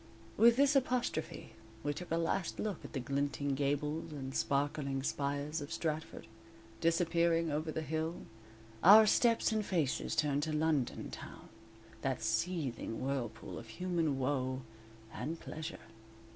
_ With this apostrophe, we took a last look at the glinting gables and sparkling spires of Stratford, disappearing over the hill, our steps and faces turned to London town, that seething whirlpool of human woe and pleasure.